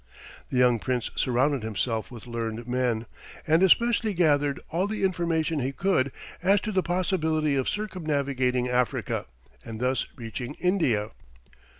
The young prince surrounded himself with learned men, and especially gathered all the information he could as to the possibility of circumnavigating Africa, and thus reaching India.